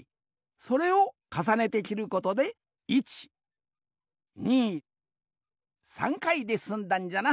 それをかさねてきることで１２３回ですんだんじゃな。